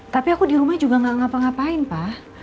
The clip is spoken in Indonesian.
tapi aku di rumah juga gak ngapa ngapain pak